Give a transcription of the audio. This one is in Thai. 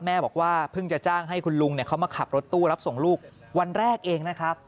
แม่บอกว่าเพิ่งจะจ้างให้คุณลุงเขามาขับรถตู้รับส่งลูกวันแรกเองนะครับ